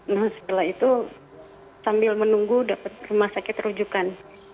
nah setelah itu sambil menunggu dapet rumah sakit terujukan